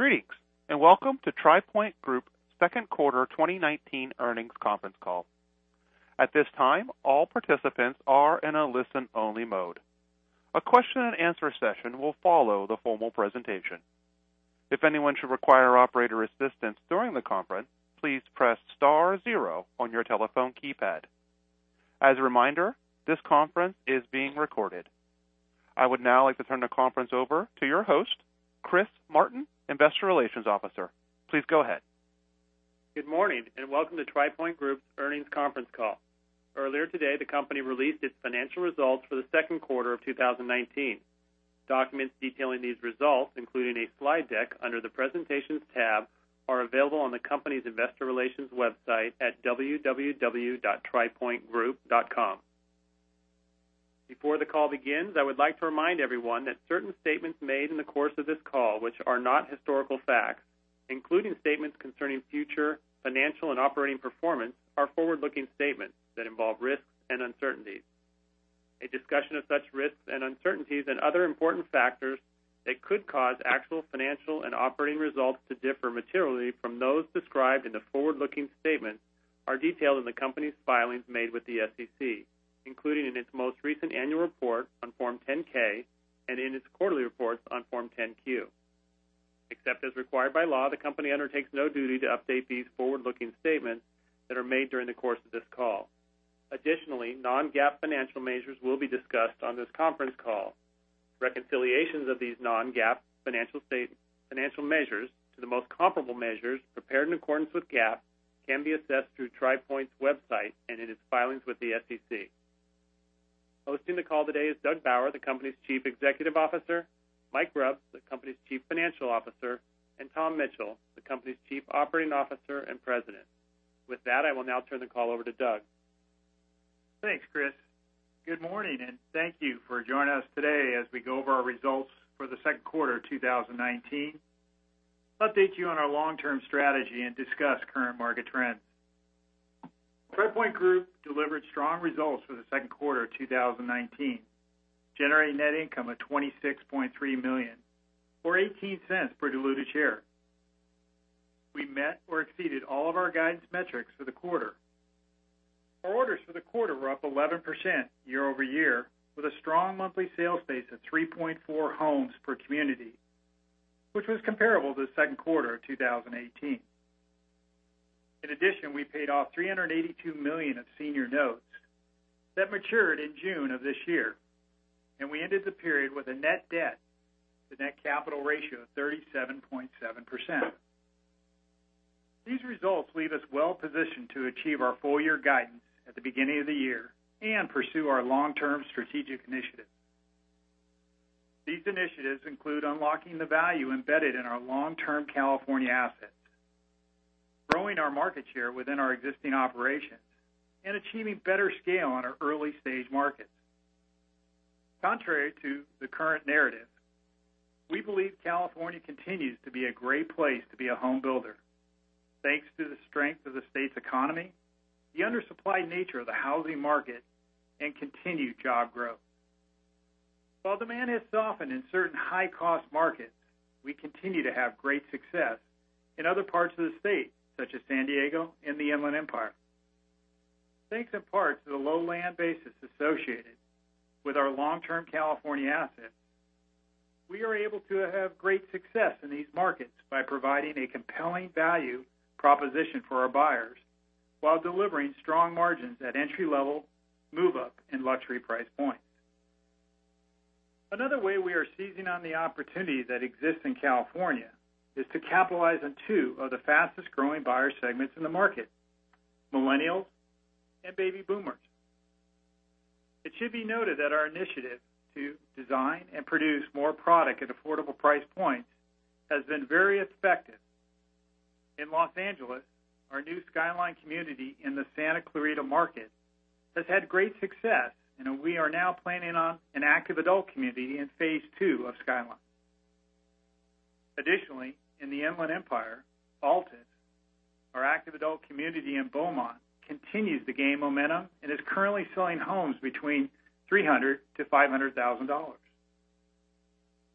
Greetings, and welcome to Tri Pointe Group's second quarter 2019 earnings conference call. At this time, all participants are in a listen-only mode. A question and answer session will follow the formal presentation. If anyone should require operator assistance during the conference, please press star zero on your telephone keypad. As a reminder, this conference is being recorded. I would now like to turn the conference over to your host, Chris Martin, investor relations officer. Please go ahead. Good morning, welcome to Tri Pointe Group's earnings conference call. Earlier today, the company released its financial results for the second quarter of 2019. Documents detailing these results, including a slide deck under the Presentations tab, are available on the company's investor relations website at www.tripointegroup.com. Before the call begins, I would like to remind everyone that certain statements made in the course of this call which are not historical facts, including statements concerning future financial and operating performance, are forward-looking statements that involve risks and uncertainties. A discussion of such risks and uncertainties and other important factors that could cause actual financial and operating results to differ materially from those described in the forward-looking statements are detailed in the company's filings made with the SEC, including in its most recent annual report on Form 10-K and in its quarterly reports on Form 10-Q. Except as required by law, the company undertakes no duty to update these forward-looking statements that are made during the course of this call. Additionally, non-GAAP financial measures will be discussed on this conference call. Reconciliations of these non-GAAP financial measures to the most comparable measures prepared in accordance with GAAP can be assessed through Tri Pointe's website and in its filings with the SEC. Hosting the call today is Doug Bauer, the company's chief executive officer, Mike Grubbs, the company's chief financial officer, and Tom Mitchell, the company's chief operating officer and president. With that, I will now turn the call over to Doug. Thanks, Chris. Good morning, and thank you for joining us today as we go over our results for the second quarter 2019, update you on our long-term strategy, and discuss current market trends. Tri Pointe Group delivered strong results for the second quarter 2019, generating net income of $26.3 million, or $0.18 per diluted share. We met or exceeded all of our guidance metrics for the quarter. Our orders for the quarter were up 11% year-over-year with a strong monthly sales pace of 3.4 homes per community, which was comparable to the second quarter of 2018. In addition, we paid off $382 million of senior notes that matured in June of this year, and we ended the period with a net debt to net capital ratio of 37.7%. These results leave us well-positioned to achieve our full-year guidance at the beginning of the year and pursue our long-term strategic initiatives. These initiatives include unlocking the value embedded in our long-term California assets, growing our market share within our existing operations, and achieving better scale on our early-stage markets. Contrary to the current narrative, we believe California continues to be a great place to be a home builder thanks to the strength of the state's economy, the undersupplied nature of the housing market, and continued job growth. While demand has softened in certain high-cost markets, we continue to have great success in other parts of the state, such as San Diego and the Inland Empire. Thanks in part to the low land basis associated with our long-term California assets, we are able to have great success in these markets by providing a compelling value proposition for our buyers while delivering strong margins at entry-level, move-up, and luxury price points. Another way we are seizing on the opportunity that exists in California is to capitalize on two of the fastest-growing buyer segments in the market, millennials and baby boomers. It should be noted that our initiative to design and produce more product at affordable price points has been very effective. In L.A., our new Skyline community in the Santa Clarita market has had great success, and we are now planning on an active adult community in phase 2 of Skyline. In the Inland Empire, Altis, our active adult community in Beaumont, continues to gain momentum and is currently selling homes between $300,000-$500,000.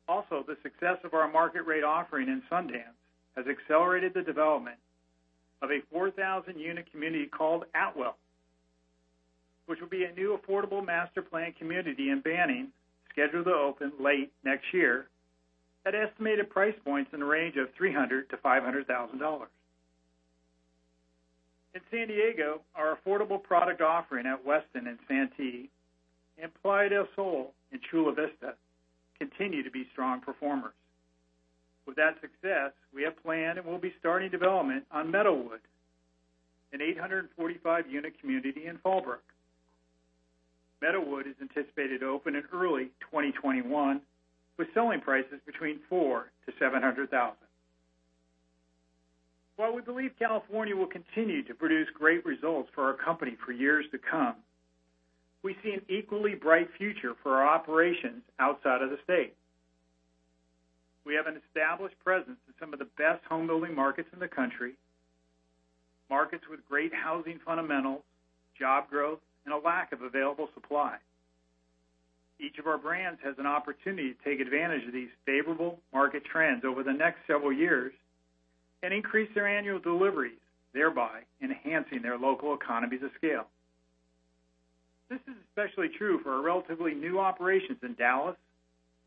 The success of our market-rate offering in Sundance has accelerated the development of a 4,000-unit community called Atwell, which will be a new affordable master-planned community in Banning, scheduled to open late next year at estimated price points in the range of $300,000-$500,000. In San Diego, our affordable product offering at Weston in Santee and Playa Del Sol in Chula Vista continue to be strong performers. With that success, we have planned and will be starting development on Meadowwood, an 845-unit community in Fallbrook. Meadowwood is anticipated to open in early 2021 with selling prices between $400,000-$700,000. While we believe California will continue to produce great results for our company for years to come, we see an equally bright future for our operations outside of the state. We have an established presence in some of the best home building markets in the country. Markets with great housing fundamentals, job growth, and a lack of available supply. Each of our brands has an opportunity to take advantage of these favorable market trends over the next several years and increase their annual deliveries, thereby enhancing their local economies of scale. This is especially true for our relatively new operations in Dallas,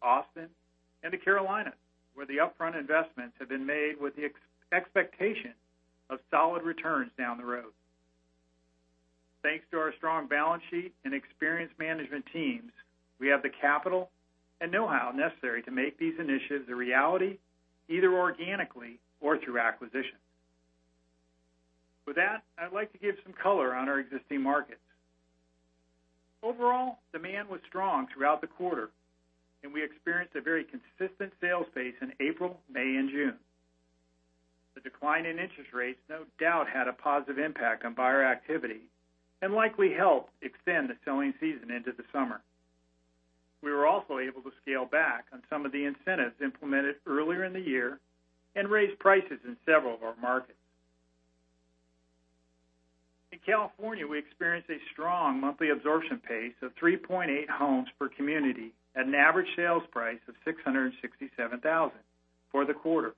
Austin, and the Carolinas, where the upfront investments have been made with the expectation of solid returns down the road. Thanks to our strong balance sheet and experienced management teams, we have the capital and know-how necessary to make these initiatives a reality, either organically or through acquisition. With that, I'd like to give some color on our existing markets. Overall, demand was strong throughout the quarter, and we experienced a very consistent sales pace in April, May, and June. The decline in interest rates no doubt had a positive impact on buyer activity and likely helped extend the selling season into the summer. We were also able to scale back on some of the incentives implemented earlier in the year and raise prices in several of our markets. In California, we experienced a strong monthly absorption pace of 3.8 homes per community at an average sales price of $667,000 for the quarter.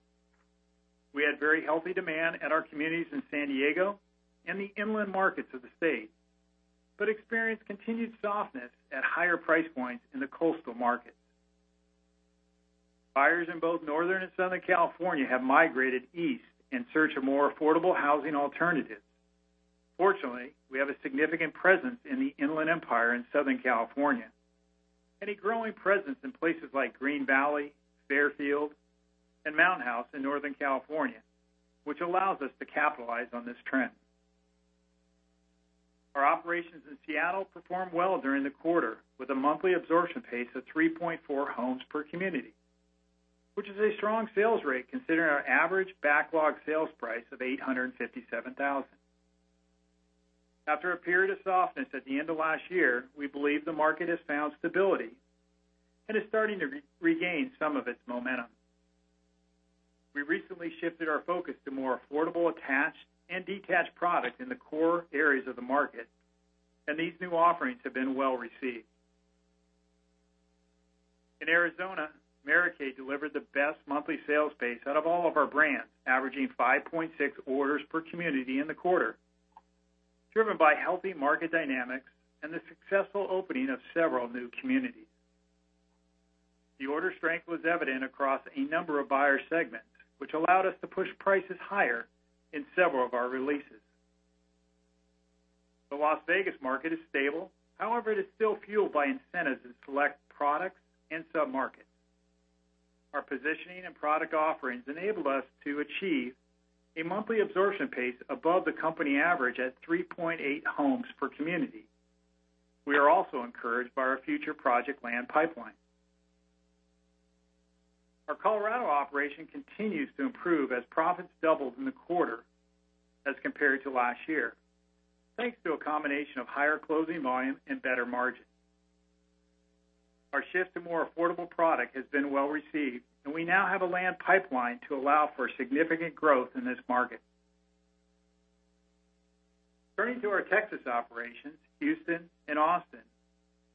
We had very healthy demand at our communities in San Diego and the inland markets of the state, but experienced continued softness at higher price points in the coastal markets. Buyers in both Northern and Southern California have migrated east in search of more affordable housing alternatives. Fortunately, we have a significant presence in the Inland Empire in Southern California and a growing presence in places like Green Valley, Fairfield, and Mountain House in Northern California, which allows us to capitalize on this trend. Our operations in Seattle performed well during the quarter with a monthly absorption pace of 3.4 homes per community, which is a strong sales rate considering our average backlog sales price of $857,000. After a period of softness at the end of last year, we believe the market has found stability and is starting to regain some of its momentum. We recently shifted our focus to more affordable attached and detached product in the core areas of the market, and these new offerings have been well-received. In Arizona, Maracay delivered the best monthly sales pace out of all of our brands, averaging 5.6 orders per community in the quarter, driven by healthy market dynamics and the successful opening of several new communities. The order strength was evident across a number of buyer segments, which allowed us to push prices higher in several of our releases. The Las Vegas market is stable. It is still fueled by incentives in select products and sub-markets. Our positioning and product offerings enabled us to achieve a monthly absorption pace above the company average at 3.8 homes per community. We are also encouraged by our future project land pipeline. Our Colorado operation continues to improve as profits doubled in the quarter as compared to last year, thanks to a combination of higher closing volume and better margin. Our shift to more affordable product has been well-received, and we now have a land pipeline to allow for significant growth in this market. Turning to our Texas operations, Houston and Austin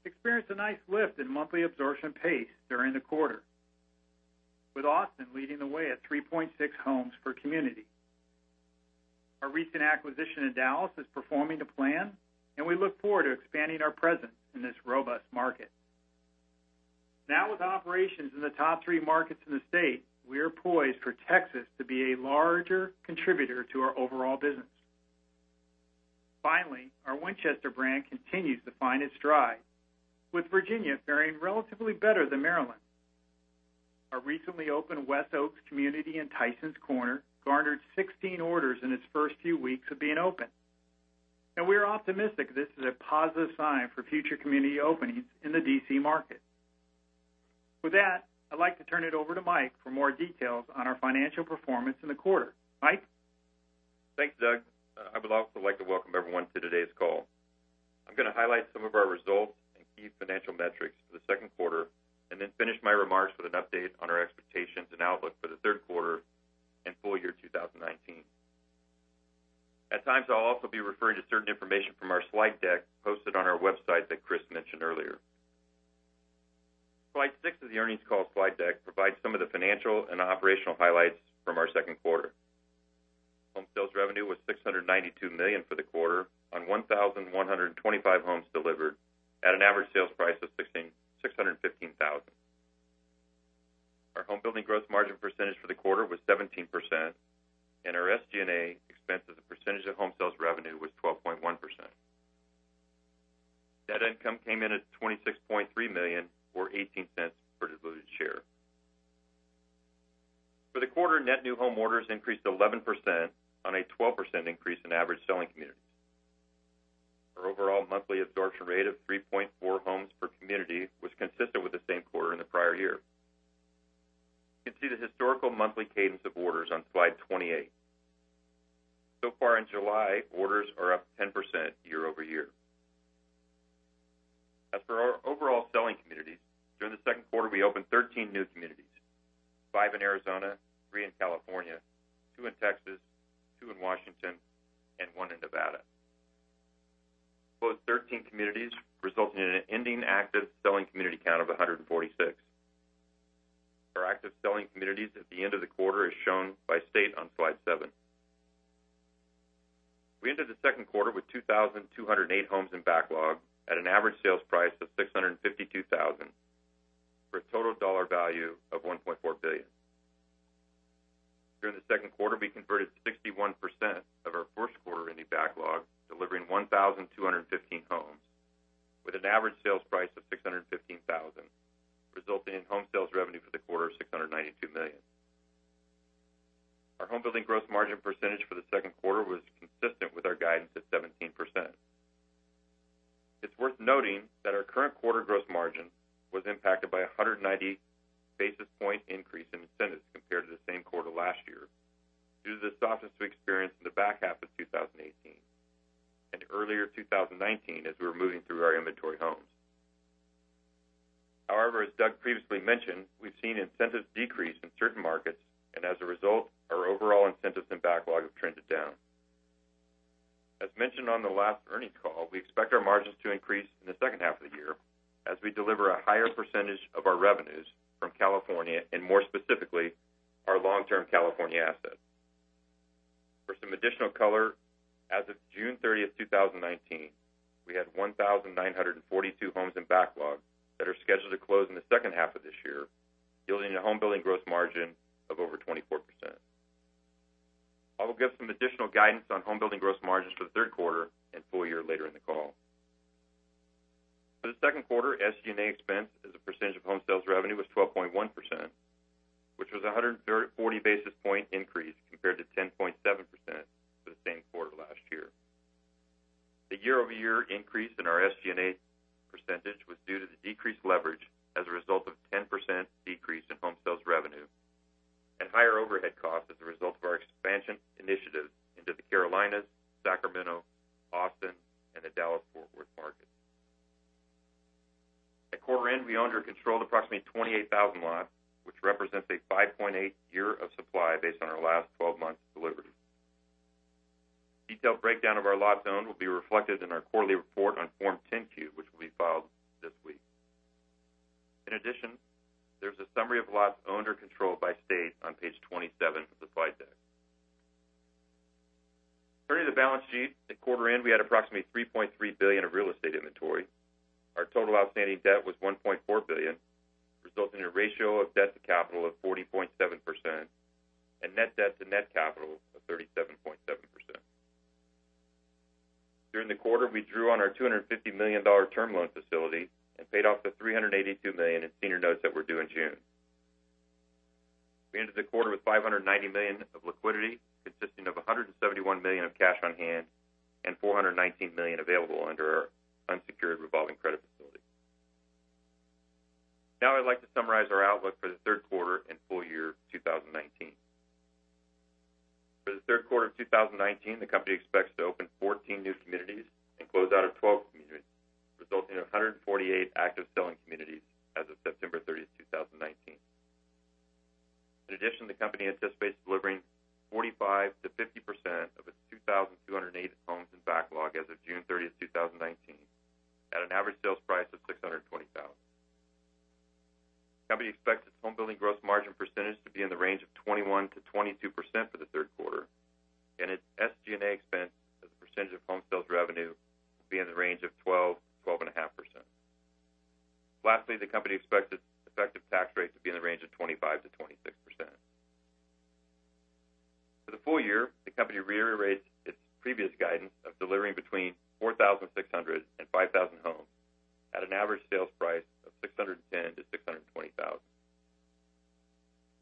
experienced a nice lift in monthly absorption pace during the quarter, with Austin leading the way at 3.6 homes per community. Our recent acquisition in Dallas is performing to plan, and we look forward to expanding our presence in this robust market. Now with operations in the top three markets in the state, we are poised for Texas to be a larger contributor to our overall business. Finally, our Winchester brand continues to find its stride, with Virginia faring relatively better than Maryland. Our recently opened West Oaks community in Tysons Corner garnered 16 orders in its first few weeks of being open, and we are optimistic this is a positive sign for future community openings in the D.C. market. With that, I'd like to turn it over to Mike for more details on our financial performance in the quarter. Mike? Thanks, Doug. I would also like to welcome everyone to today's call. I'm going to highlight some of our results and key financial metrics for the second quarter and then finish my remarks with an update on our expectations and outlook for the third quarter and full year 2019. At times, I'll also be referring to certain information from our slide deck posted on our website that Chris mentioned earlier. Slide six of the earnings call slide deck provides some of the financial and operational highlights from our second quarter. Home sales revenue was $692 million for the quarter on 1,125 homes delivered at an average sales price of $615,000. Our homebuilding gross margin percentage for the quarter was 17%, and our SG&A expense as a percentage of home sales revenue was 12.1%. Net income came in at $26.3 million or $0.18 per diluted share. For the quarter, net new home orders increased 11% on a 12% increase in average selling community. Our overall monthly absorption rate of 3.4 homes per community was consistent with the same quarter in the prior year. You can see the historical monthly cadence of orders on slide 28. So far in July, orders are up 10% year-over-year. As for our overall selling communities, during the second quarter, we opened 13 new communities, five in Arizona, three in California, two in Texas, two in Washington, and one in Nevada. Those 13 communities resulted in an ending active selling community count of 146. Our active selling communities at the end of the quarter is shown by state on slide seven. We ended the second quarter with 2,208 homes in backlog at an average sales price of $652,000 for a total dollar value of $1.4 billion. During the second quarter, we converted 61% of our first quarter ending backlog, delivering 1,215 homes with an average sales price of $615,000, resulting in home sales revenue for the quarter of $692 million. Our homebuilding gross margin percentage for the second quarter was consistent with our guidance at 17%. It's worth noting that our current quarter gross margin was impacted by 190-basis-point increase in incentives compared to the same quarter last year due to the softness we experienced in the back half of 2018 and earlier 2019, as we were moving through our inventory homes. As Doug previously mentioned, we've seen incentives decrease in certain markets, and as a result, our overall incentives and backlog have trended down. As mentioned on the last earnings call, we expect our margins to increase in the second half of the year as we deliver a higher percentage of our revenues from California and more specifically, our long-term California assets. For some additional color, as of June 30, 2019, we had 1,942 homes in backlog that are scheduled to close in the second half of this year, yielding a homebuilding gross margin of over 24%. I will give some additional guidance on homebuilding gross margins for the third quarter and full year later in the call. For the second quarter, SG&A expense as a percentage of home sales revenue was 12.1%, which was 140-basis-point increase compared to 10.7% for the same quarter last year. The year-over-year increase in our SG&A percentage was due to the decreased leverage as a result of 10% decrease in home sales revenue and higher overhead costs as a result of our expansion initiatives into the Carolinas, Sacramento, Austin, and the Dallas-Fort Worth market. At quarter end, we owned or controlled approximately 28,000 lots, which represents a 5.8 year of supply based on our last 12 months delivery. Detailed breakdown of our lots owned will be reflected in our quarterly report on Form 10-Q, which will be filed this week. In addition, there's a summary of lots owned or controlled by state on page 27 of the slide deck. Turning to the balance sheet, at quarter end, we had approximately $3.3 billion of real estate inventory. Our total outstanding debt was $1.4 billion, resulting in a ratio of debt to capital of 40.7%, and net debt to net capital of 37.7%. During the quarter, we drew on our $250 million term loan facility and paid off the $382 million in senior notes that were due in June. We ended the quarter with $590 million of liquidity, consisting of $171 million of cash on hand and $419 million available under our unsecured revolving credit facility. Now, I'd like to summarize our outlook for the third quarter and full year 2019. For the third quarter of 2019, the company expects to open 14 new communities and close out of 12 communities, resulting in 148 active selling communities as of September 30th, 2019. The company anticipates delivering 45%-50% of its 2,208 homes in backlog as of June 30th, 2019, at an average sales price of $620,000. The company expects its homebuilding gross margin percentage to be in the range of 21%-22% for the third quarter, and its SG&A expense as a percentage of home sales revenue will be in the range of 12%-12.5%. The company expects its effective tax rate to be in the range of 25%-26%. For the full year, the company reiterates its previous guidance of delivering between 4,600 and 5,000 homes at an average sales price of $610,000-$620,000.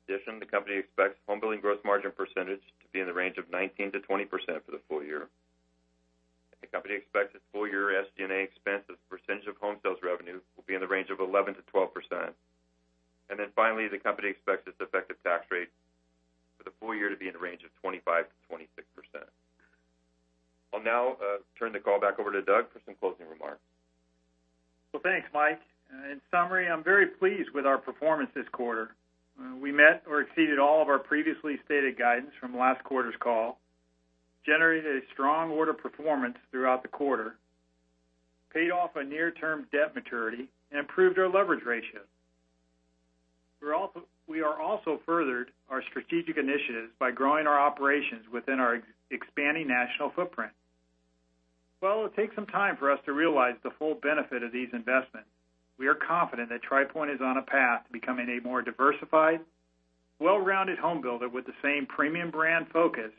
The company expects homebuilding gross margin percentage to be in the range of 19%-20% for the full year. The company expects its full-year SG&A expense as a percentage of home sales revenue will be in the range of 11%-12%. Finally, the company expects its effective tax rate for the full year to be in the range of 25%-26%. I'll now turn the call back over to Doug for some closing remarks. Well, thanks, Mike. In summary, I'm very pleased with our performance this quarter. We met or exceeded all of our previously stated guidance from last quarter's call, generated a strong order performance throughout the quarter, paid off a near-term debt maturity, and improved our leverage ratios. We are also furthered our strategic initiatives by growing our operations within our expanding national footprint. While it takes some time for us to realize the full benefit of these investments, we are confident that Tri Pointe is on a path to becoming a more diversified, well-rounded home builder with the same premium brand focus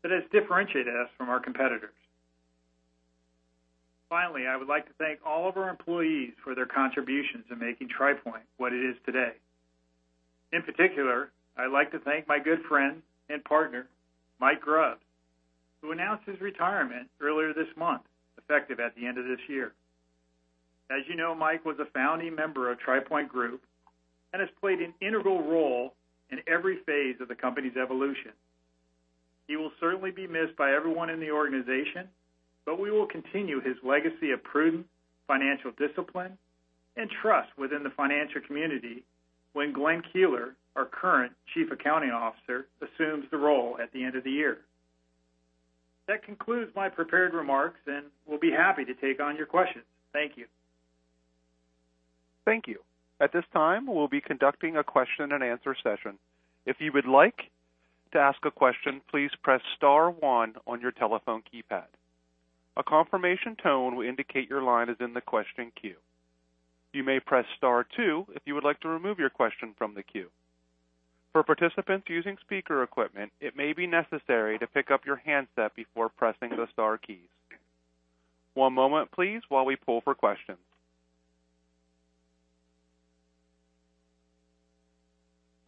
that has differentiated us from our competitors. Finally, I would like to thank all of our employees for their contributions in making Tri Pointe what it is today. In particular, I'd like to thank my good friend and partner, Mike Grubbs, who announced his retirement earlier this month, effective at the end of this year. As you know, Mike was a founding member of Tri Pointe Group and has played an integral role in every phase of the company's evolution. He will certainly be missed by everyone in the organization, but we will continue his legacy of prudent financial discipline and trust within the financial community when Glenn Keeler, our current Chief Accounting Officer, assumes the role at the end of the year. That concludes my prepared remarks, and we'll be happy to take on your questions. Thank you. Thank you. At this time, we'll be conducting a question and answer session. If you would like to ask a question, please press star one on your telephone keypad. A confirmation tone will indicate your line is in the question queue. You may press star two if you would like to remove your question from the queue. For participants using speaker equipment, it may be necessary to pick up your handset before pressing the star keys. One moment please while we pull for questions.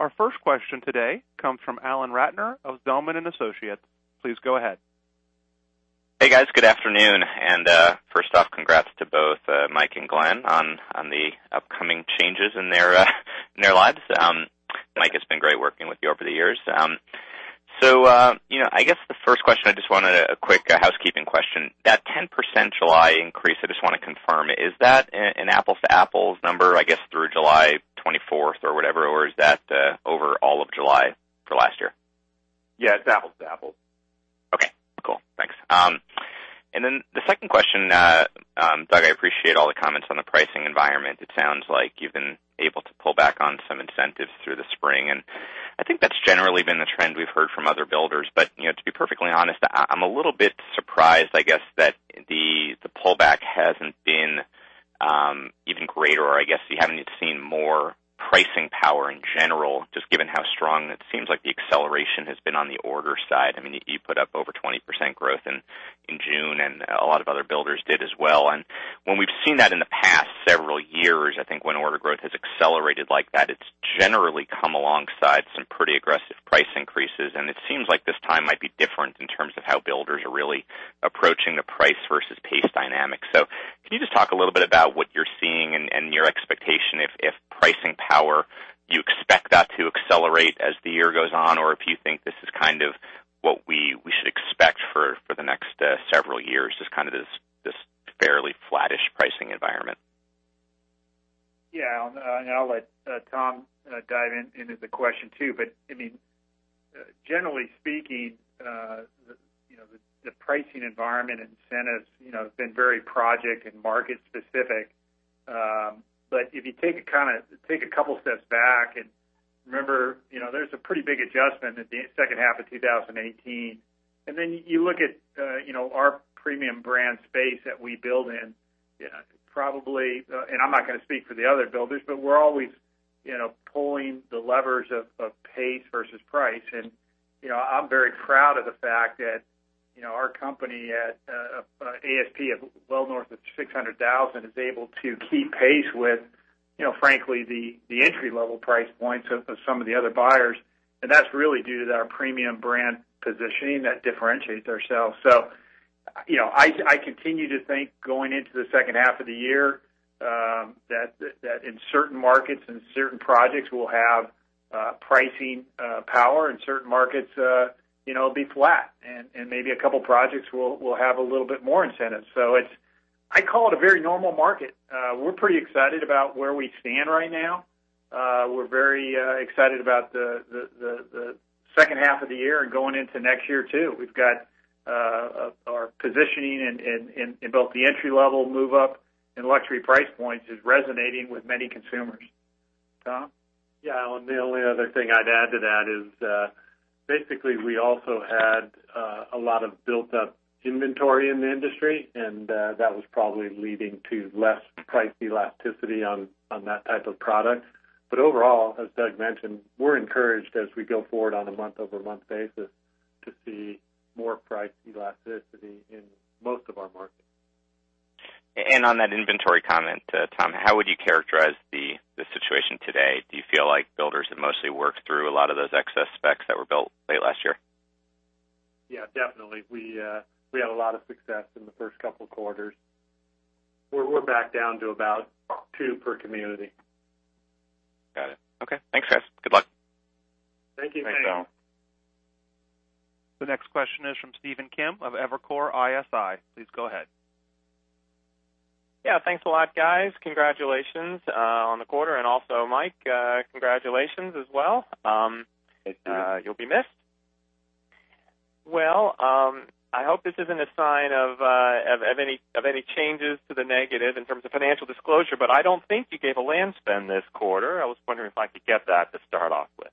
Our first question today comes from Alan Ratner of Zelman & Associates. Please go ahead. Hey, guys. Good afternoon. First off, congrats to both Mike and Glenn on the upcoming changes in their lives. Mike, it's been great working with you over the years. I guess the first question, I just wanted a quick housekeeping question. That 10% July increase, I just want to confirm, is that an apples-to-apples number, I guess, through July 24th or whatever, or is that over all of July for last year? Yeah, it's apples to apples. Okay. Cool. Thanks. The second question, Doug, I appreciate all the comments on the pricing environment. It sounds like you've been able to pull back on some incentives through the spring, and I think that's generally been the trend we've heard from other builders. To be perfectly honest, I'm a little bit surprised, I guess, that the pullback hasn't been even greater, or I guess you haven't seen more pricing power in general, just given how strong it seems like the acceleration has been on the order side. You put up over 20% growth in June, and a lot of other builders did as well. When we've seen that in the past several years, I think when order growth has accelerated like that, it's generally come alongside some pretty aggressive price increases. It seems like this time might be different in terms of how builders are really approaching the price versus pace dynamics. Can you just talk a little bit about what you're seeing and your expectation if pricing power, do you expect that to accelerate as the year goes on, or if you think this is kind of what we should expect for the next several years, just this fairly flattish pricing environment? Yeah. I'll let Tom dive in into the question too. Generally speaking, the pricing environment incentive has been very project and market specific. If you take a couple steps back and remember, there's a pretty big adjustment in the second half of 2018, and then you look at our premium brand space that we build in, probably, and I'm not going to speak for the other builders, but we're always pulling the levers of pace versus price. I'm very proud of the fact that our company at ASP of well north of $600,000 is able to keep pace with frankly, the entry-level price points of some of the other builders. That's really due to our premium brand positioning that differentiates ourselves. I continue to think going into the second half of the year, that in certain markets and certain projects, we'll have pricing power, and certain markets, it'll be flat, and maybe a couple of projects will have a little bit more incentive. I call it a very normal market. We're pretty excited about where we stand right now. We're very excited about the second half of the year and going into next year, too. We've got our positioning in both the entry level, move-up, and luxury price points is resonating with many consumers. Tom? Yeah. The only other thing I'd add to that is, basically, we also had a lot of built-up inventory in the industry, and that was probably leading to less price elasticity on that type of product. Overall, as Doug mentioned, we're encouraged as we go forward on a month-over-month basis to see more price elasticity in most of our markets. On that inventory comment, Tom, how would you characterize the situation today? Do you feel like builders have mostly worked through a lot of those excess specs that were built late last year? Yeah, definitely. We had a lot of success in the first couple of quarters. We're back down to about two per community. Got it. Okay. Thanks, guys. Good luck. Thank you. Thanks. The next question is from Stephen Kim of Evercore ISI. Please go ahead. Yeah. Thanks a lot, guys. Congratulations on the quarter. Also, Mike, congratulations as well. Thank you. You'll be missed. Well, I hope this isn't a sign of any changes to the negative in terms of financial disclosure, but I don't think you gave a land spend this quarter. I was wondering if I could get that to start off with.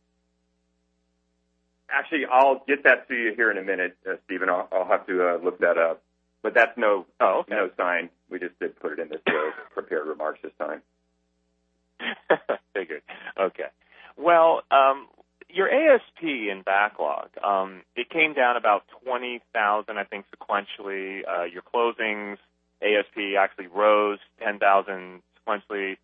Actually, I'll get that to you here in a minute, Stephen. I'll have to look that up. Oh, okay. no sign. We just didn't put it in the prepared remarks this time. Figured. Okay. Well, your ASP in backlog, it came down about $20,000, I think, sequentially. Your closings ASP actually rose $10,000 sequentially.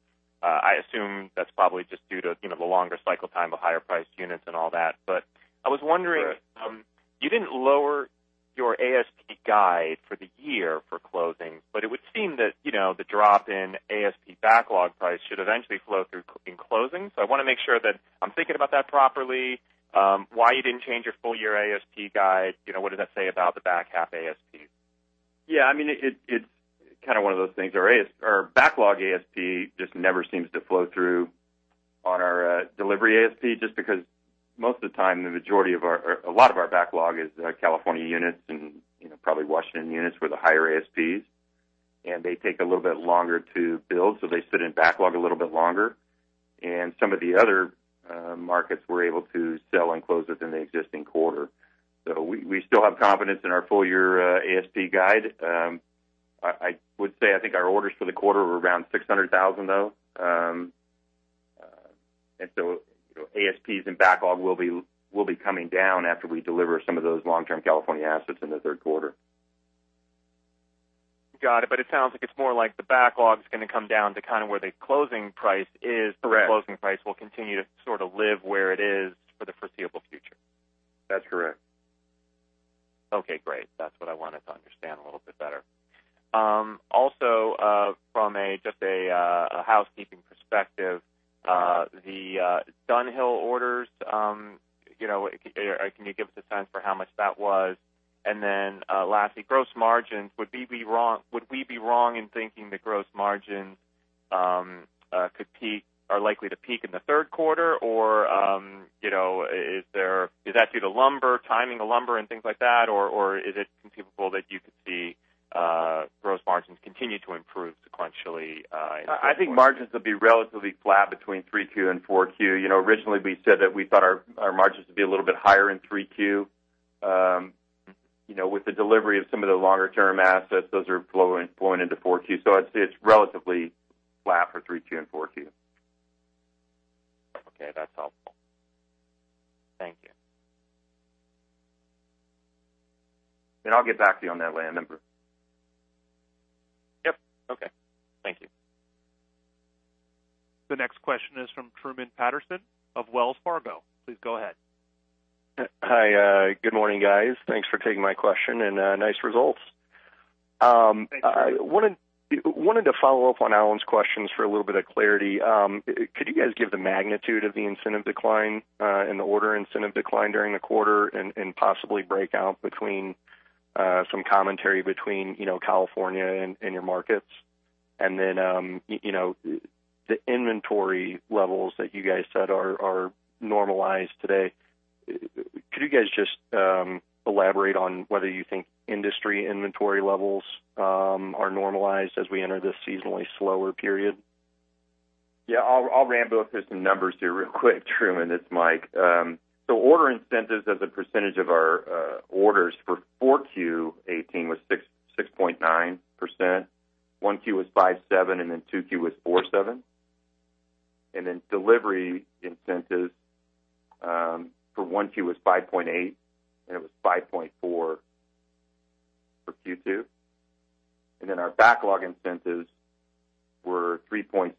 I assume that's probably just due to the longer cycle time of higher priced units and all that. I was wondering. Correct You didn't lower your ASP guide for the year for closing. It would seem that the drop in ASP backlog price should eventually flow through in closing. I want to make sure that I'm thinking about that properly. Why you didn't change your full year ASP guide? What does that say about the back half ASPs? Yeah. It's one of those things. Our backlog ASP just never seems to flow through on our delivery ASP, just because most of the time, a lot of our backlog is California units and probably Washington units with the higher ASPs, and they take a little bit longer to build, so they sit in backlog a little bit longer. Some of the other markets we're able to sell and close within the existing quarter. We still have confidence in our full year ASP guide. I would say, I think our orders for the quarter were around 600,000, though. ASPs and backlog will be coming down after we deliver some of those long-term California assets in the third quarter. Got it. It sounds like it's more like the backlog's going to come down to where the closing price is. Correct. The closing price will continue to sort of live where it is for the foreseeable future. That's correct. Okay, great. That's what I wanted to understand a little bit better. Also, from just a housekeeping perspective, the Dunhill orders, can you give us a sense for how much that was? Lastly, gross margins. Would we be wrong in thinking that gross margins are likely to peak in the third quarter? Is that due to lumber, timing of lumber and things like that, or is it conceivable that you could see gross margins continue to improve sequentially in the fourth quarter? I think margins will be relatively flat between 3Q and 4Q. Originally, we said that we thought our margins would be a little bit higher in 3Q. With the delivery of some of the longer-term assets, those are flowing into 4Q. I'd say it's relatively flat for 3Q and 4Q. Okay, that's helpful. Thank you. I'll get back to you on that land number. Yep. Okay. Thank you. The next question is from Truman Patterson of Wells Fargo. Please go ahead. Hi. Good morning, guys. Thanks for taking my question and nice results. Thank you. I wanted to follow up on Alan's questions for a little bit of clarity. Could you guys give the magnitude of the incentive decline and the order incentive decline during the quarter? Possibly break out between some commentary between California and your markets? Then, the inventory levels that you guys said are normalized today, could you guys just elaborate on whether you think industry inventory levels are normalized as we enter this seasonally slower period? Yeah, I'll ramp up through some numbers here real quick, Truman. It's Mike. Order incentives as a percentage of our orders for 4Q 2018 was 6.9%, 1Q was 5.7%, and then 2Q was 4.7%. Delivery incentives for 1Q was 5.8%, and it was 5.4% for Q2. Our backlog incentives were 3.6%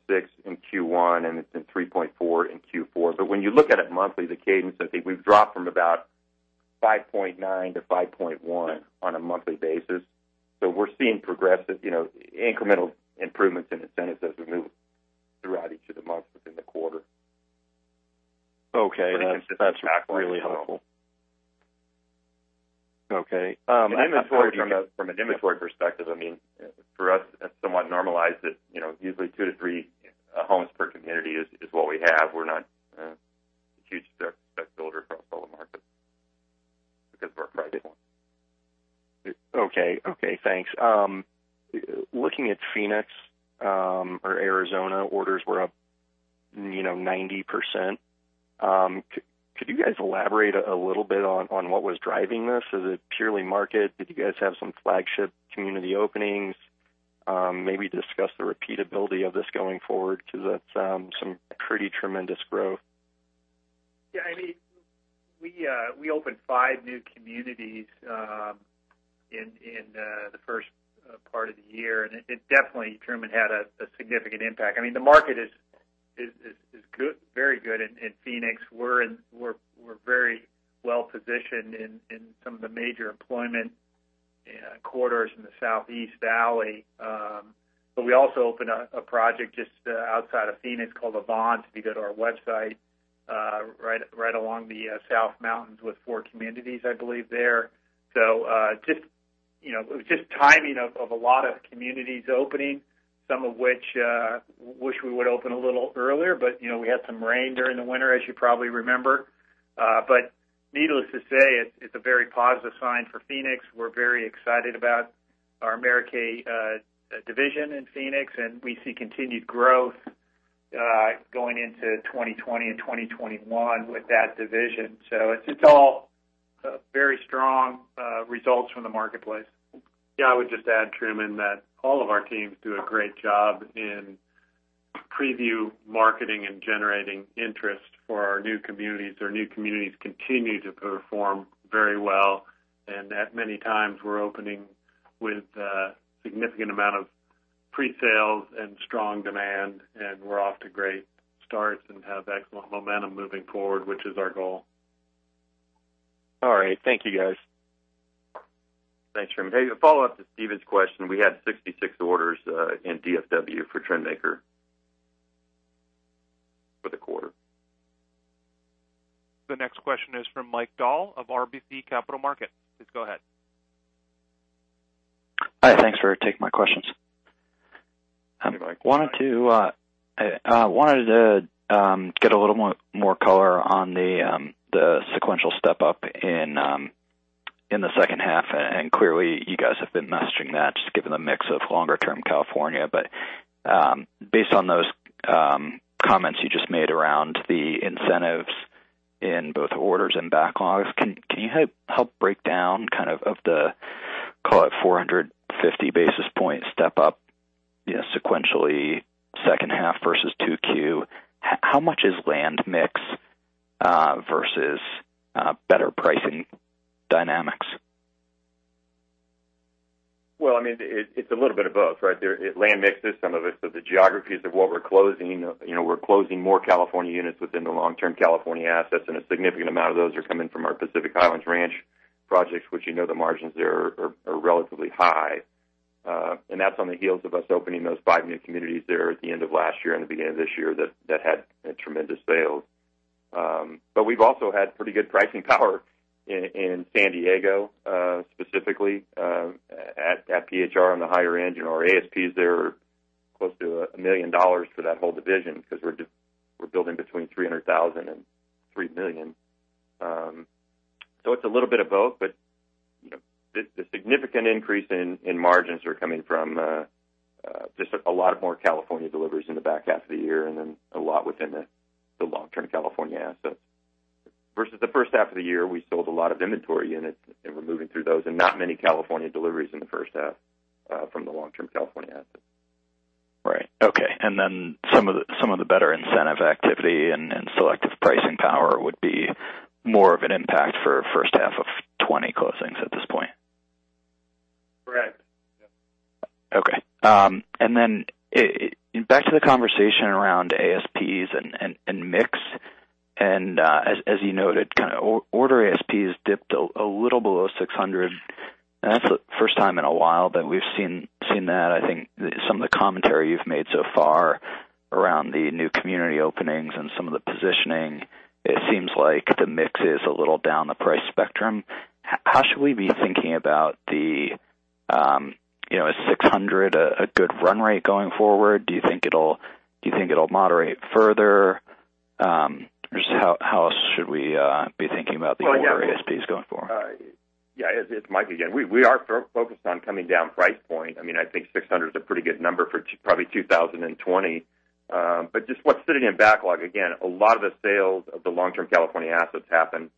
in Q1 and it's been 3.4% in Q4. When you look at it monthly, the cadence, I think we've dropped from about 5.9% to 5.1% on a monthly basis. We're seeing progressive incremental improvements in incentives as we move throughout each of the months within the quarter. Okay. Consistent backlog. That's really helpful. Okay. Inventory from an inventory perspective, for us, that's somewhat normalized at usually two to three homes per community is what we have. We're not a huge spec builder across all the markets because of our price point. Okay. Thanks. Looking at Phoenix or Arizona, orders were up 90%. Could you guys elaborate a little bit on what was driving this? Is it purely market? Did you guys have some flagship community openings? Maybe discuss the repeatability of this going forward, because that's some pretty tremendous growth. Yeah, we opened five new communities in the first part of the year. It definitely, Truman, had a significant impact. The market is very good in Phoenix. We're very well positioned in some of the major employment corridors in the Southeast Valley. We also opened a project just outside of Phoenix called Avance. If you go to our website, right along the South Mountain with four communities, I believe there. Just timing of a lot of communities opening, some of which we would open a little earlier. We had some rain during the winter, as you probably remember. Needless to say, it's a very positive sign for Phoenix. We're very excited about our Maracay division in Phoenix. We see continued growth going into 2020 and 2021 with that division. It's all very strong results from the marketplace. Yeah, I would just add, Truman, that all of our teams do a great job in preview marketing and generating interest for our new communities. Our new communities continue to perform very well, and at many times we're opening with a significant amount of. Pre-sales and strong demand, and we're off to great starts and have excellent momentum moving forward, which is our goal. All right. Thank you, guys. Thanks, Truman. A follow-up to Stephen's question. We had 66 orders in DFW for Trendmaker for the quarter. The next question is from Mike Dahl of RBC Capital Markets. Please go ahead. Hi, thanks for taking my questions. Hey, Mike. I wanted to get a little more color on the sequential step-up in the second half. Clearly, you guys have been mastering that, just given the mix of longer-term California. Based on those comments you just made around the incentives in both orders and backlogs, can you help break down kind of the, call it 450 basis point step-up sequentially second half versus 2Q? How much is land mix versus better pricing dynamics? Well, it's a little bit of both, right? Land mix is some of it, but the geographies of what we're closing. We're closing more California units within the long-term California assets, and a significant amount of those are coming from our Pacific Highlands Ranch projects, which you know the margins there are relatively high. That's on the heels of us opening those five new communities there at the end of last year and the beginning of this year that had tremendous sales. We've also had pretty good pricing power in San Diego, specifically, at PHR on the higher end. Our ASPs there are close to $1 million for that whole division because we're building between $300,000 and $3 million. It's a little bit of both, but the significant increase in margins are coming from just a lot more California deliveries in the back half of the year, and then a lot within the long-term California assets. Versus the first half of the year, we sold a lot of inventory units, and we're moving through those, and not many California deliveries in the first half from the long-term California assets. Right. Okay. Some of the better incentive activity and selective pricing power would be more of an impact for first half of 2020 closings at this point? Correct. Okay. Back to the conversation around ASPs and mix. As you noted, kind of order ASP has dipped a little below $600, and that's the first time in a while that we've seen that. I think some of the commentary you've made so far around the new community openings and some of the positioning, it seems like the mix is a little down the price spectrum. How should we be thinking about the Is $600 a good run rate going forward? Do you think it'll moderate further? How else should we be thinking about the order ASPs going forward? Yeah, it's Mike again. We are focused on coming down price point. I think 600 is a pretty good number for probably 2020. Just what's sitting in backlog, again, a lot of the sales of the long-term California assets happened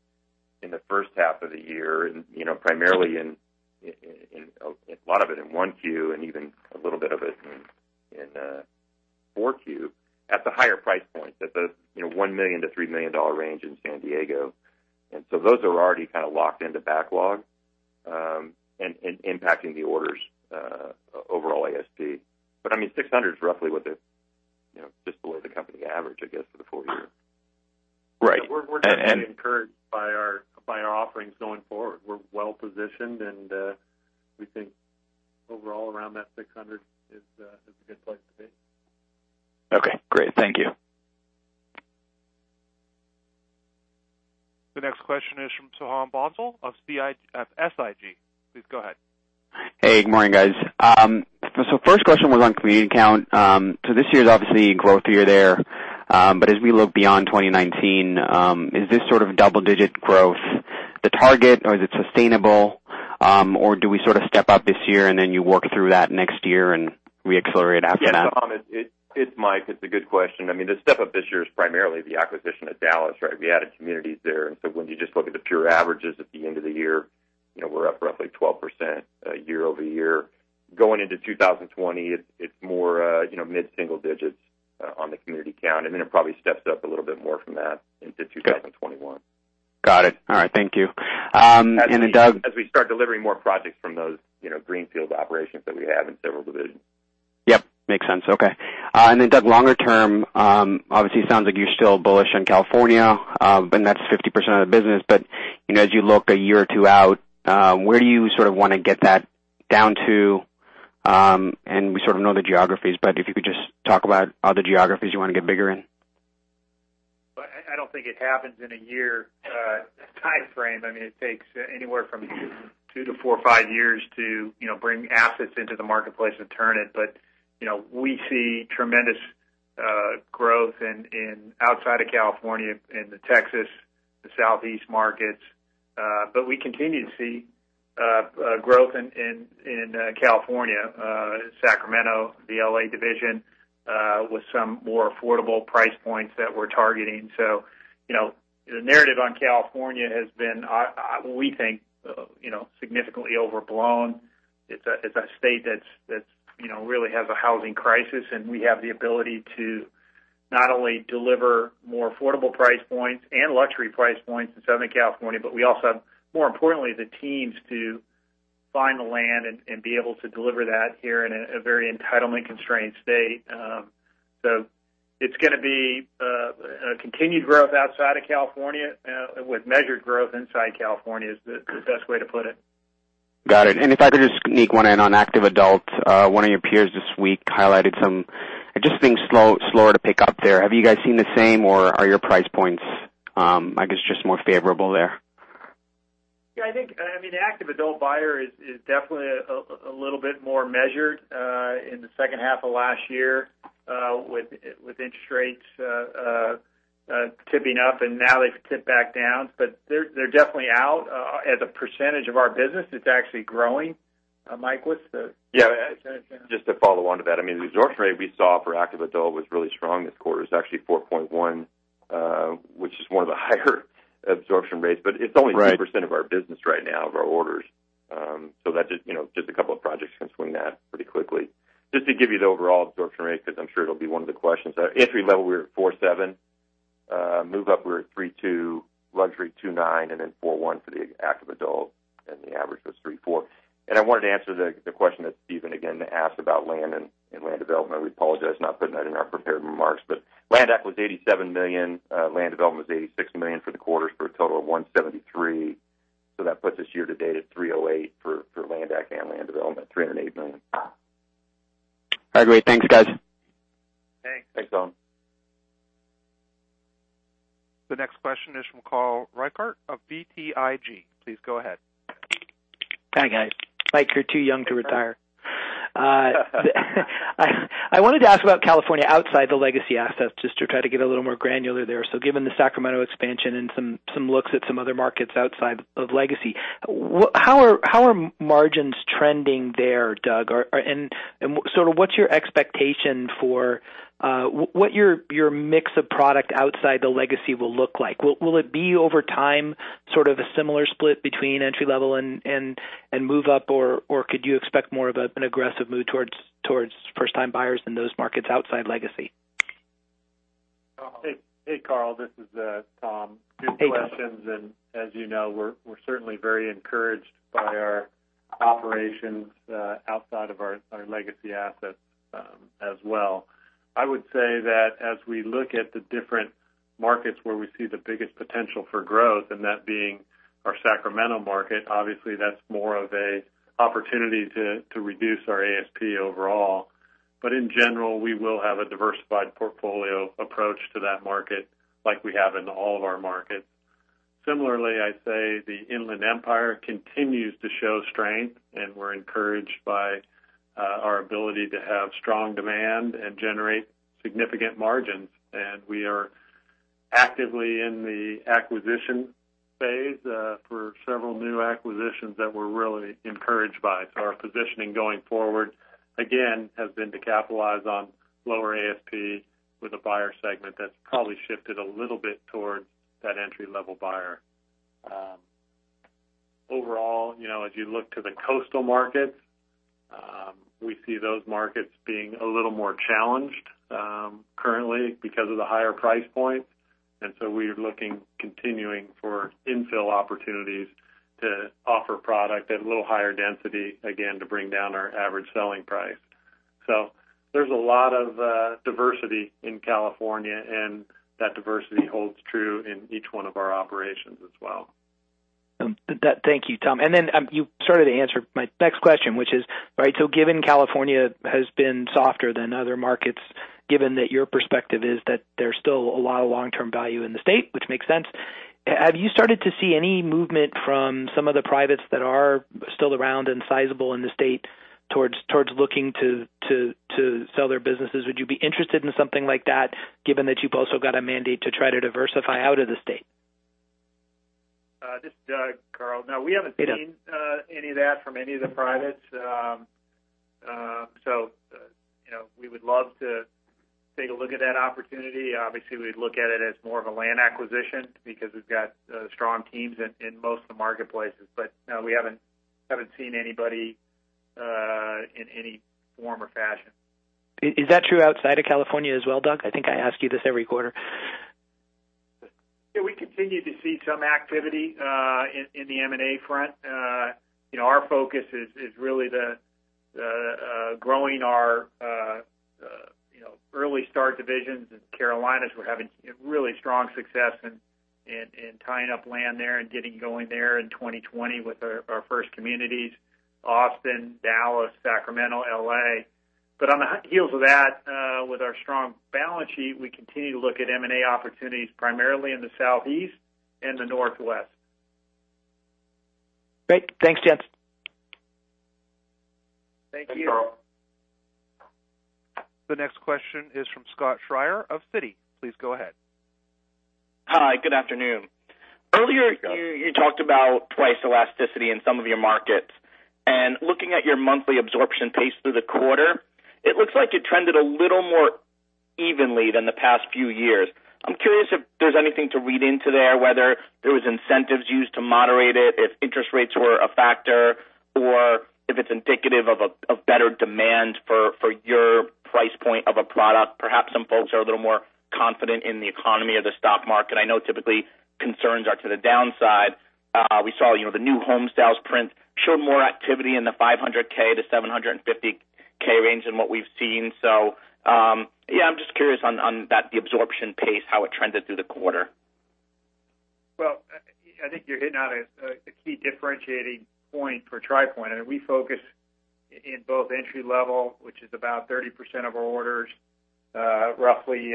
in the first half of the year, and primarily a lot of it in 1Q, and even a little bit of it in 4Q at the higher price points, at the $1 million to $3 million range in San Diego. Those are already kind of locked into backlog, and impacting the orders overall ASP. 600 is roughly just below the company average, I guess, for the full year. Right. We're definitely encouraged by our offerings going forward. We're well-positioned. We think overall around that $600 is a good place to be. Okay, great. Thank you. The next question is from Soham Bhonsle of SIG. Please go ahead. Hey, good morning, guys. The first question was on community count. This year is obviously a growth year there. As we look beyond 2019, is this sort of double-digit growth the target, or is it sustainable? Do we sort of step up this year, and then you work through that next year and re-accelerate after that? Yeah, Soham, it's Mike. It's a good question. The step-up this year is primarily the acquisition of Dallas, right? We added communities there. When you just look at the pure averages at the end of the year, we're up roughly 12% year-over-year. Going into 2020, it's more mid-single digits on the community count, it probably steps up a little bit more from that into 2021. Got it. All right. Thank you. Doug. As we start delivering more projects from those greenfield operations that we have in several divisions. Yep, makes sense. Okay. Then Doug, longer term, obviously, it sounds like you're still bullish on California, and that's 50% of the business. As you look a year or two out, where do you sort of want to get that down to? We sort of know the geographies, but if you could just talk about other geographies you want to get bigger in. I don't think it happens in a year timeframe. It takes anywhere from two to four or five years to bring assets into the marketplace and turn it. We see tremendous growth outside of California in the Texas, the Southeast markets. We continue to see growth in California, Sacramento, the L.A. division, with some more affordable price points that we're targeting. The narrative on California has been, we think, significantly overblown. It's a state that really has a housing crisis, and we have the ability to Not only deliver more affordable price points and luxury price points in Southern California, but we also have, more importantly, the teams to find the land and be able to deliver that here in a very entitlement-constrained state. It's going to be a continued growth outside of California, with measured growth inside California, is the best way to put it. Got it. If I could just sneak one in on active adult. One of your peers this week highlighted just being slower to pick up there. Have you guys seen the same or are your price points, I guess, just more favorable there? Yeah, I think the active adult buyer is definitely a little bit more measured in the second half of last year, with interest rates tipping up and now they've tipped back down. They're definitely out. As a % of our business, it's actually growing. Mike, what's the Yeah. Just to follow on to that, the absorption rate we saw for active adult was really strong this quarter. It was actually 4.1, which is one of the higher absorption rates, but it's only 10%. Right of our business right now, of our orders. Just a couple of projects can swing that pretty quickly. Just to give you the overall absorption rate, because I'm sure it'll be one of the questions. Our entry level, we're at 4.7. Move up, we're at 3.2. Luxury, 2.9. Then 4.1 for the active adult, the average was 3.4. I wanted to answer the question that Stephen, again, asked about land and land development. We apologize for not putting that in our prepared remarks. Land acq was $87 million. Land development was $86 million for the quarter, for a total of $173 million. That puts this year to date at $308 million for land acq and land development, $308 million. All right, great. Thanks, guys. Thanks. Thanks, Soham. The next question is from Carl Reichardt of BTIG. Please go ahead. Hi, guys. Mike, you're too young to retire. I wanted to ask about California outside the Legacy assets, just to try to get a little more granular there. Given the Sacramento expansion and some looks at some other markets outside of Legacy, how are margins trending there, Doug? What's your expectation for what your mix of product outside the Legacy will look like? Will it be, over time, sort of a similar split between entry-level and move up, or could you expect more of an aggressive move towards first-time buyers in those markets outside Legacy? Hey, Carl. This is Tom. Hey, Tom. Good questions. As you know, we're certainly very encouraged by our operations outside of our Legacy assets as well. I would say that as we look at the different markets where we see the biggest potential for growth, and that being our Sacramento market, obviously, that's more of an opportunity to reduce our ASP overall. In general, we will have a diversified portfolio approach to that market like we have in all of our markets. Similarly, I'd say the Inland Empire continues to show strength, and we're encouraged by our ability to have strong demand and generate significant margins. We are actively in the acquisition phase for several new acquisitions that we're really encouraged by. Our positioning going forward, again, has been to capitalize on lower ASPs with a buyer segment that's probably shifted a little bit towards that entry-level buyer. Overall, as you look to the coastal markets, we see those markets being a little more challenged currently because of the higher price points. We're looking, continuing for infill opportunities to offer product at a little higher density, again, to bring down our average selling price. There's a lot of diversity in California, and that diversity holds true in each one of our operations as well. Thank you, Tom. Then you sort of answered my next question, which is, given California has been softer than other markets, given that your perspective is that there's still a lot of long-term value in the state, which makes sense, have you started to see any movement from some of the privates that are still around and sizable in the state towards looking to sell their businesses? Would you be interested in something like that, given that you've also got a mandate to try to diversify out of the state? This is Doug, Carl. No, we haven't. Hey, Doug. any of that from any of the privates. We would love to take a look at that opportunity. Obviously, we'd look at it as more of a land acquisition because we've got strong teams in most of the marketplaces. No, we haven't seen anybody in any form or fashion. Is that true outside of California as well, Doug? I think I ask you this every quarter. Yeah, we continue to see some activity in the M&A front. Our focus is really growing our early start divisions in the Carolinas. We're having really strong success in tying up land there and getting going there in 2020 with our first communities, Austin, Dallas, Sacramento, L.A. On the heels of that, with our strong balance sheet, we continue to look at M&A opportunities, primarily in the southeast and the northwest. Great. Thanks, gents. Thank you. Thanks, Carl. The next question is from Scott Schrier of Citi. Please go ahead. Hi, good afternoon. Earlier you talked about price elasticity in some of your markets. Looking at your monthly absorption pace through the quarter, it looks like it trended a little more evenly than the past few years. I'm curious if there's anything to read into there, whether there was incentives used to moderate it, if interest rates were a factor, or? If it's indicative of better demand for your price point of a product, perhaps some folks are a little more confident in the economy of the stock market. I know typically concerns are to the downside. We saw the new home sales print showed more activity in the $500K-$750K range than what we've seen. I'm just curious on the absorption pace, how it trended through the quarter. Well, I think you're hitting on a key differentiating point for Tri Pointe, and we focus in both entry-level, which is about 30% of our orders. Roughly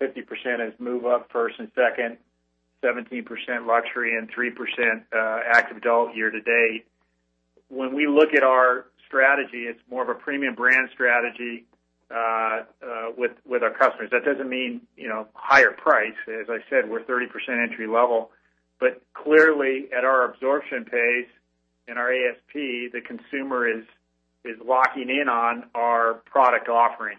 50% is move-up first and second, 17% luxury, and 3% active adult year-to-date. When we look at our strategy, it's more of a premium brand strategy with our customers. That doesn't mean higher price. As I said, we're 30% entry-level. Clearly, at our absorption pace and our ASP, the consumer is locking in on our product offering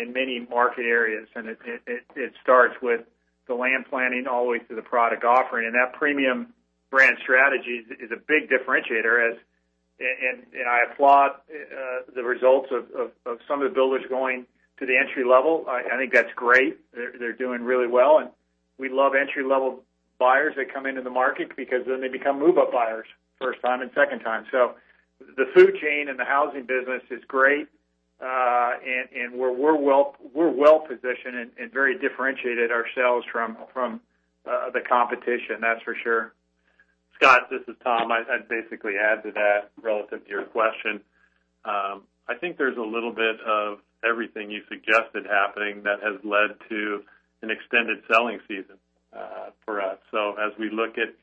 in many market areas, and it starts with the land planning all the way to the product offering. That premium brand strategy is a big differentiator. I applaud the results of some of the builders going to the entry-level. I think that's great. They're doing really well, and we love entry-level buyers that come into the market because then they become move-up buyers first time and second time. The food chain in the housing business is great. We're well-positioned and very differentiated ourselves from the competition, that's for sure. Scott, this is Tom. I'd basically add to that relative to your question. I think there's a little bit of everything you suggested happening that has led to an extended selling season for us. As we look at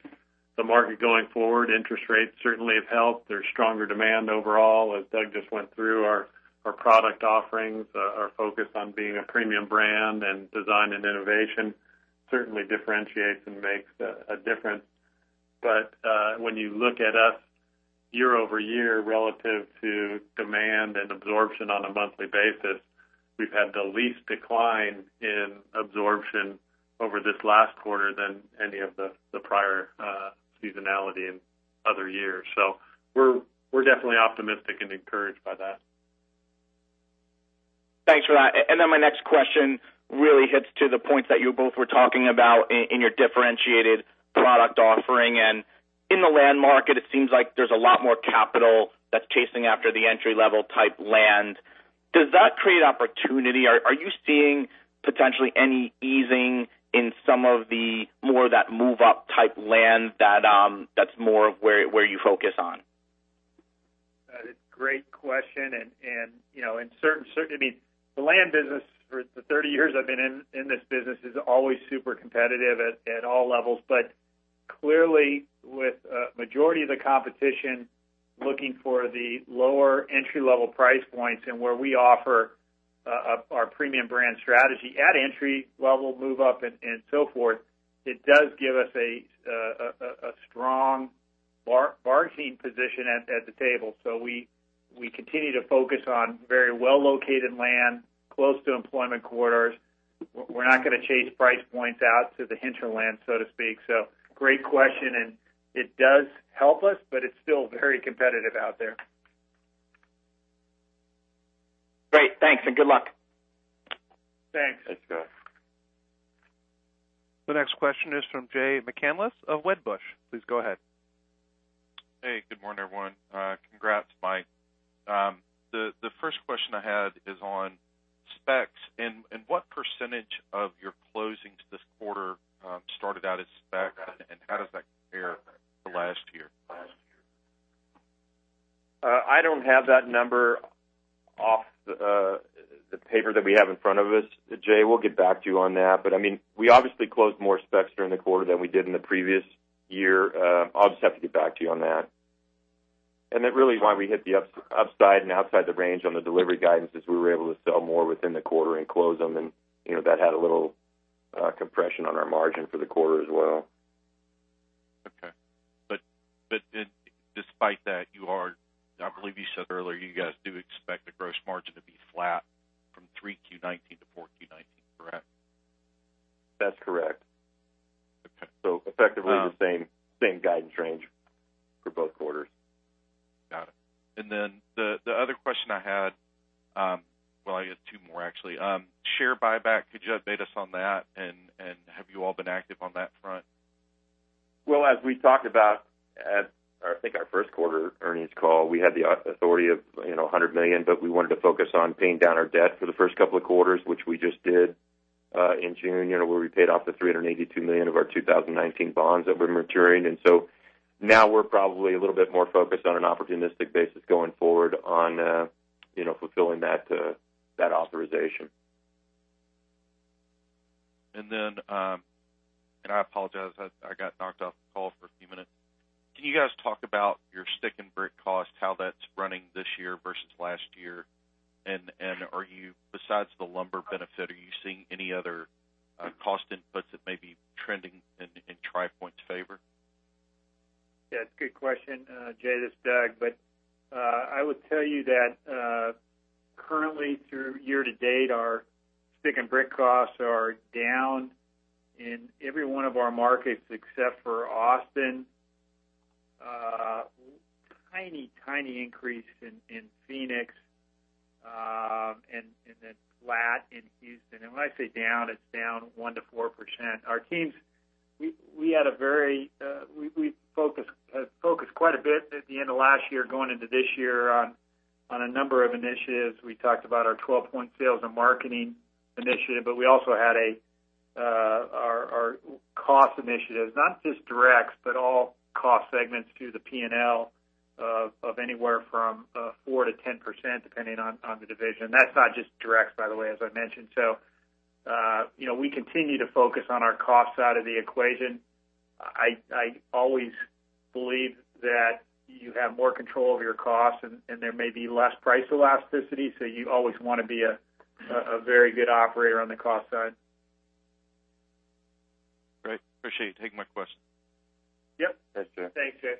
the market going forward, interest rates certainly have helped. There's stronger demand overall. As Doug just went through, our product offerings are focused on being a premium brand, and design and innovation certainly differentiates and makes a difference. When you look at us year-over-year relative to demand and absorption on a monthly basis, we've had the least decline in absorption over this last quarter than any of the prior seasonality in other years. We're definitely optimistic and encouraged by that. Thanks for that. My next question really hits to the point that you both were talking about in your differentiated product offering. In the land market, it seems like there's a lot more capital that's chasing after the entry-level type land. Does that create opportunity? Are you seeing potentially any easing in some of the more that move-up type land that's more of where you focus on? That is great question. The land business for the 30 years I've been in this business is always super competitive at all levels. Clearly, with a majority of the competition looking for the lower entry-level price points and where we offer our premium brand strategy at entry level, move up, and so forth, it does give us a strong bargaining position at the table. We continue to focus on very well-located land close to employment corridors. We're not going to chase price points out to the hinterland, so to speak. Great question, and it does help us, but it's still very competitive out there. Great. Thanks, and good luck. Thanks. Thanks, Scott. The next question is from Jay McCanless of Wedbush. Please go ahead. Hey, good morning, everyone. Congrats, Mike. The first question I had is on specs, and what percentage of your closings this quarter started out as spec, and how does that compare to last year? I don't have that number off the paper that we have in front of us, Jay. We'll get back to you on that. We obviously closed more specs during the quarter than we did in the previous year. I'll just have to get back to you on that. That really is why we hit the upside and outside the range on the delivery guidance is we were able to sell more within the quarter and close them, and that had a little compression on our margin for the quarter as well. Okay. Despite that, I believe you said earlier, you guys do expect the gross margin to be flat from 3Q 2019 to 4Q 2019, correct? That's correct. Okay. Effectively the same guidance range for both quarters. Got it. The other question I had, well, I guess two more, actually. Share buyback. Could you update us on that, and have you all been active on that front? Well, as we talked about at, I think, our first quarter earnings call, we had the authority of $100 million, but we wanted to focus on paying down our debt for the first couple of quarters, which we just did in June, where we paid off the $382 million of our 2019 bonds that were maturing. Now we're probably a little bit more focused on an opportunistic basis going forward on fulfilling that authorization. Then, and I apologize, I got knocked off the call for a few minutes. Can you guys talk about your stick and brick cost, how that's running this year versus last year? Besides the lumber benefit, are you seeing any other cost inputs that may be trending in Tri Pointe's favor? Yeah, it's a good question. Jay, this is Doug. I would tell you that currently through year to date, our stick and brick costs are down In every one of our markets, except for Austin. A tiny increase in Phoenix, then flat in Houston. When I say down, it's down 1%-4%. Our teams, we focused quite a bit at the end of last year going into this year on a number of initiatives. We talked about our 12-point Sales and Marketing Initiative, but we also had our cost initiatives, not just direct, but all cost segments through the P&L of anywhere from 4%-10%, depending on the division. That's not just direct, by the way, as I mentioned. We continue to focus on our cost side of the equation. I always believe that you have more control over your costs, and there may be less price elasticity, so you always want to be a very good operator on the cost side. Great. Appreciate you taking my question. Yep. Thanks, Jay. Thanks, Jay.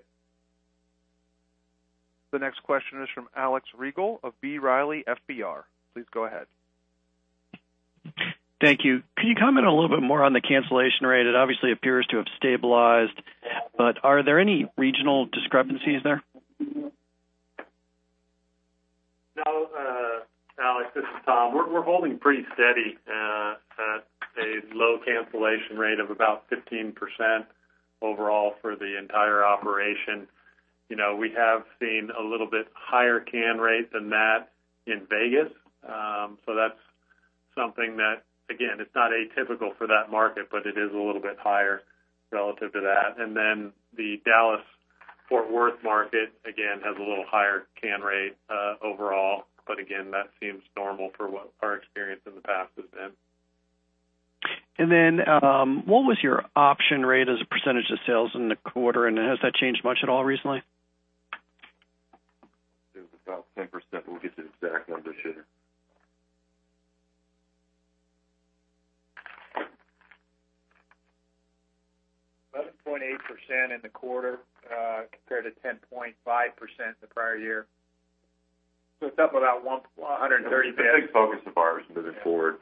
The next question is from Alex Rygiel of B. Riley FBR. Please go ahead. Thank you. Could you comment a little bit more on the cancellation rate? It obviously appears to have stabilized. Are there any regional discrepancies there? No, Alex, this is Tom. We're holding pretty steady at a low cancellation rate of about 15% overall for the entire operation. We have seen a little bit higher can rate than that in Vegas. That's something that, again, it's not atypical for that market, but it is a little bit higher relative to that. The Dallas-Fort Worth market, again, has a little higher can rate overall, but again, that seems normal for what our experience in the past has been. What was your option rate as a % of sales in the quarter, and has that changed much at all recently? It was about 10%, but we'll get you the exact numbers here. 11.8% in the quarter, compared to 10.5% the prior year. It's up about 130 basis points. A big focus of ours moving forward.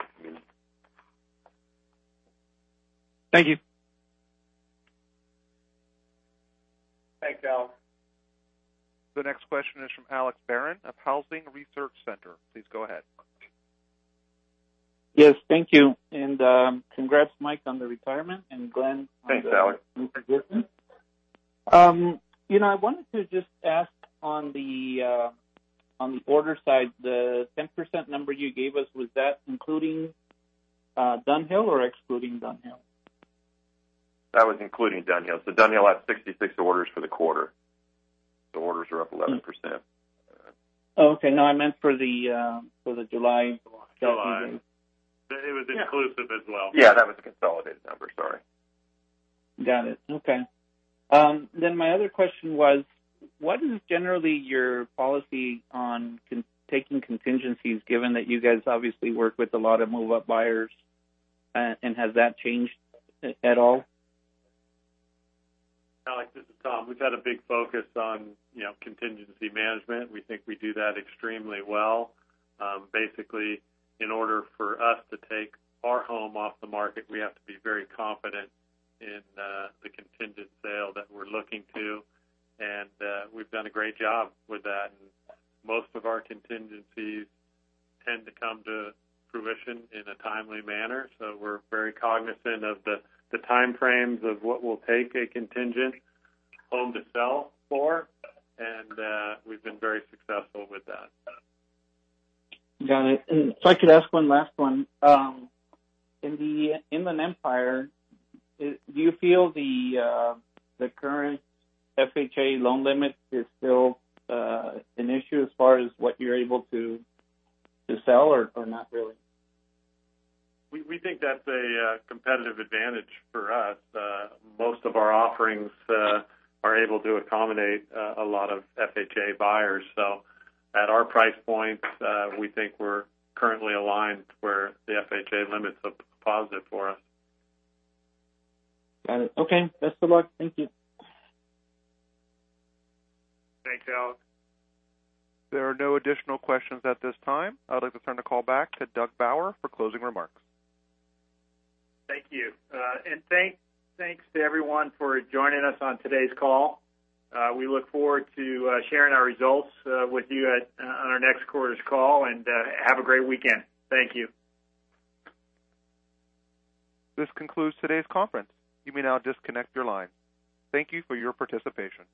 Thank you. Thanks, Alex. The next question is from Alex Barron of Housing Research Center. Please go ahead. Yes, thank you. Congrats, Mike, on the retirement, and Glenn. Thanks, Alex. on your new position. I wanted to just ask on the order side, the 10% number you gave us, was that including Dunhill or excluding Dunhill? That was including Dunhill. Dunhill had 66 orders for the quarter. Orders are up 11%. Oh, okay. No, I meant for the July. July. It was inclusive as well. Yeah, that was the consolidated number. Sorry. Got it. Okay. My other question was, what is generally your policy on taking contingencies, given that you guys obviously work with a lot of move-up buyers, and has that changed at all? Alex, this is Tom. We've had a big focus on contingency management. We think we do that extremely well. Basically, in order for us to take our home off the market, we have to be very confident in the contingent sale that we're looking to, and we've done a great job with that, and most of our contingencies tend to come to fruition in a timely manner. We're very cognizant of the time frames of what we'll take a contingent home to sell for. We've been very successful with that. Got it. If I could ask one last one. In the Inland Empire, do you feel the current FHA loan limit is still an issue as far as what you're able to sell or not really? We think that's a competitive advantage for us. Most of our offerings are able to accommodate a lot of FHA buyers. At our price points, we think we're currently aligned where the FHA limits are positive for us. Got it. Okay. Best of luck. Thank you. Thanks, Alex. There are no additional questions at this time. I'd like to turn the call back to Doug Bauer for closing remarks. Thank you. Thanks to everyone for joining us on today's call. We look forward to sharing our results with you on our next quarter's call, and have a great weekend. Thank you. This concludes today's conference. You may now disconnect your line. Thank you for your participation.